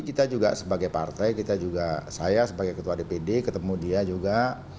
kita juga sebagai partai kita juga saya sebagai ketua dpd ketemu dia juga